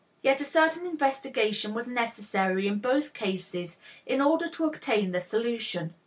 Yet a certain investigation was necessary in both cases in order to obtain the solution.